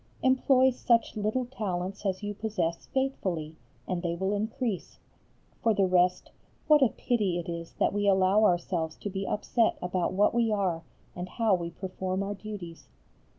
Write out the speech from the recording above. Employ such little talents as you possess faithfully, and they will increase. For the rest what a pity it is that we allow ourselves to be upset about what we are and how we perform our duties.